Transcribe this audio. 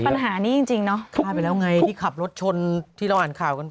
ปัญหานี้จริงจริงเนาะฆ่าไปแล้วไงที่ขับรถชนที่เราอ่านข่าวกัน